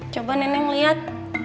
coba neneng liat